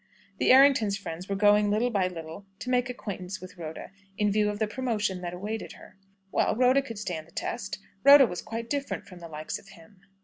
The Erringtons' friends were going little by little to make acquaintance with Rhoda, in view of the promotion that awaited her. Well, Rhoda could stand the test. Rhoda was quite different from the likes of him.